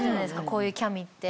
こういうキャミって。